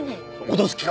脅す気か！？